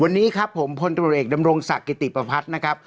วันนี้ครับผมพลตรวจเอกดำรงศักดิ์กิติประพัฒน์นะครับ